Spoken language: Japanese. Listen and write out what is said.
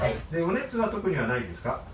お熱は特にはないですか？